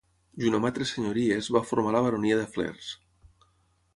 Junt amb altres senyories va formar la baronia de Flers.